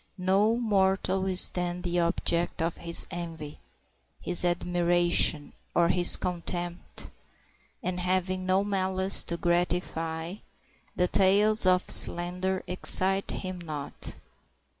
No mortal is then the object of his envy, his admiration, or his contempt, and, having no malice to gratify, the tales of slander excite him not.